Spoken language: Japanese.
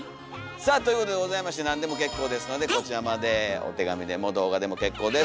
さあということでございまして何でも結構ですのでこちらまでお手紙でも動画でも結構です。